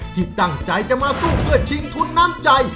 ที่ตั้งใจจะมาสู้เพื่อชิงทุนน้ำใจ